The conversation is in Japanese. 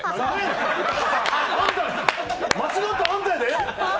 間違ったのあんたやで！